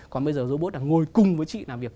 còn bây giờ robot đang ngồi cùng với chị làm việc